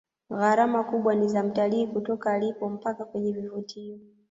gharama kubwa ni za mtalii kutoka alipo mpaka kwenye vivutio